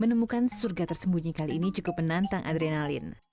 menemukan surga tersembunyi kali ini cukup menantang adrenalin